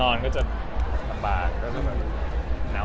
นอนก็จะคำบ้าง